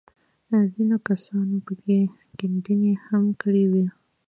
ځينو کسانو پکښې کيندنې هم کړې وې.